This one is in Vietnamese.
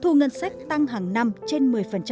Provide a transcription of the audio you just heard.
thu ngân sách tăng hàng năm trên một mươi